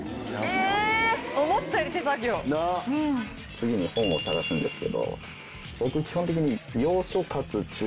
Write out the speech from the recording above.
次に本を探すんですけど僕基本的に。